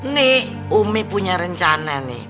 nih umi punya rencana nih